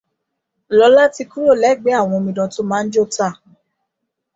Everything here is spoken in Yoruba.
Lọlá ti kúrò lẹ́gbẹ́ àwọn omidan tó máa ń jó tà